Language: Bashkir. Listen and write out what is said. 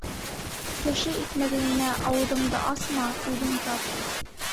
Кеше икмәгенә ауыҙыңды асма, үҙең тап.